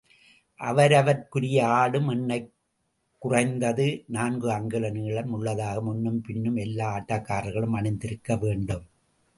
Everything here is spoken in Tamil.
அவரவர்க்குரிய ஆடும் எண்ணை குறைந்தது நான்கு அங்குல நீளம் உள்ளதாக முன்னும் பின்னும் எல்லா ஆட்டக்காரர்களும் அணிந்திருக்க வேண்டும்.